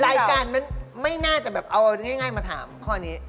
รายการมันไม่น่าจะแบบเอาง่ายมาถามข้อนี้